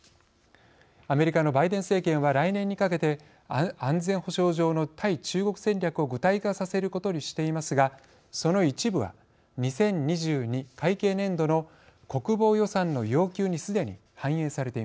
アメリカのバイデン政権は来年にかけて安全保障上の対中国戦略を具体化させることにしていますがその一部は２０２２会計年度の国防予算の要求にすでに反映されています。